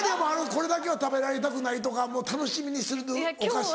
これだけは食べられたくないとか楽しみにするお菓子。